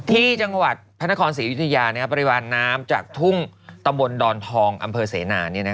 ที่จังหวัดพระนครศรีอยุธยาปริมาณน้ำจากทุ่งตำบลดอนทองอำเภอเสนา